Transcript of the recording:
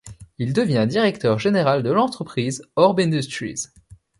Il devient directeur général de l'entreprise Orb Industries.